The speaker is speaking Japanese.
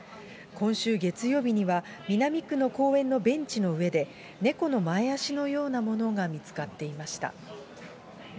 今週月曜日には、南区の公園のベンチの上で、猫の前足のようなものが見つかっていました。